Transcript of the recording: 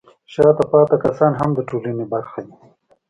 شاته پاتې کسان هم د ټولنې برخه دي.